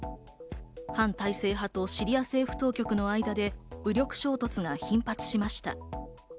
反体制派とシリア政府当局の間で武力衝突が頻発しました。